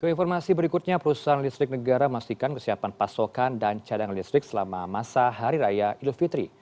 ke informasi berikutnya perusahaan listrik negara memastikan kesiapan pasokan dan cadangan listrik selama masa hari raya ilfitri